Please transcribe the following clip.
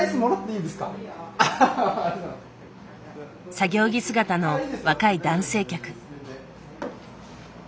作業着姿の若い男性客。